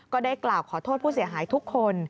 ก็ได้กล่าวขอโทษผู้เสียหายทุกคน